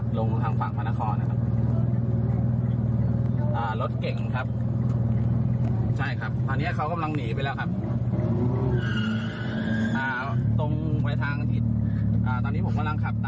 ตรงไฟทางถิดตอนนี้ผมกำลังขับต่างอยู่